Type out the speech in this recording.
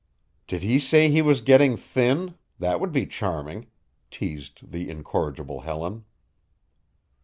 "Did he say he was getting thin that would be charming," teased the incorrigible Helen.